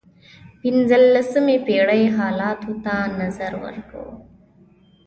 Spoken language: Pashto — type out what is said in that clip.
پنځلسمې پېړۍ حالاتو ته نظر کوو.